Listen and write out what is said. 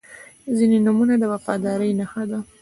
• ځینې نومونه د وفادارۍ نښه ده.